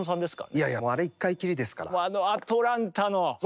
いやいやもうあれ１回きりですから。